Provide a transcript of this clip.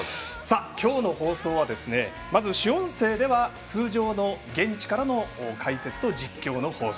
今日の放送は主音声では通常の現地からの解説と実況の放送。